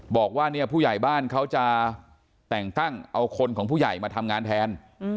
บอกว่าเนี่ยผู้ใหญ่บ้านเขาจะแต่งตั้งเอาคนของผู้ใหญ่มาทำงานแทน